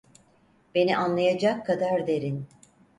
Beni anlayacak kadar derin…